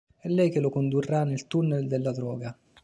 È lei che lo condurrà nel "tunnel" della droga.